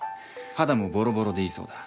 肌もボロボロでいいそうだ。